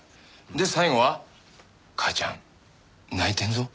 で最後は「母ちゃん泣いてるぞ」